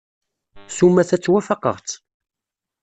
S umata, ttwafaqeɣ-tt.